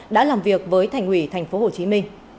đã làm việc với thành ủy tp hcm